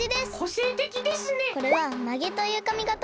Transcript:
これは髷というかみがたです。